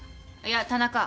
いや田中。